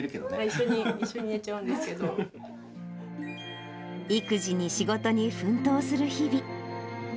一緒に、一緒に寝ちゃうんで育児に仕事に奮闘する日々。